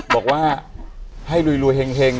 บอกว่าให้รวยเฮง